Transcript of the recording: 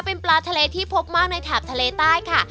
เป็นปลาทะเลที่พบมากในแถบทะเลใต้ค่ะ